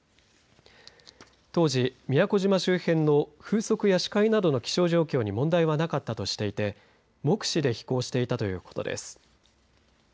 当時、宮古島周辺の風速や視界などの気象状況に問題はなかったとしていて目視で飛行していたということです。